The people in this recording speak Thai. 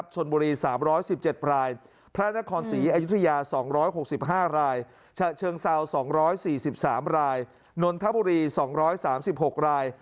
ชนบุรี๓๑๗รายพระนครศรีอยุธยา๒๖๕รายฉะเชิงเซา๒๔๓รายนนทบุรี๒๓๖ราย